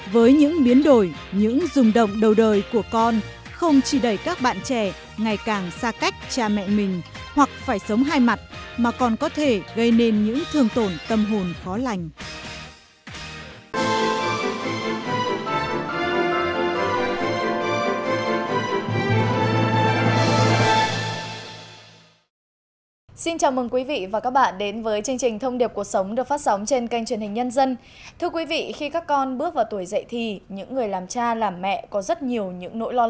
với những biến đổi những rùng động đầu đời của con không chỉ đẩy các bạn trẻ ngày càng xa cách cha mẹ mình hoặc phải sống hai mặt mà còn có thể gây nên những thương tổn tâm hồn khó lành